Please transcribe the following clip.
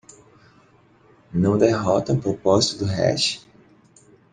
Não derrota o propósito do hash?